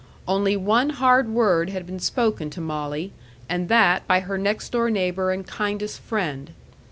Only one hard word had been spoken to Molly, and that by her next door neighbor and kindest friend.